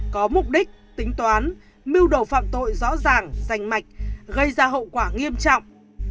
có mục đích tính toán mưu đồ phạm tội rõ ràng rành mạch gây ra hậu quả nghiêm trọng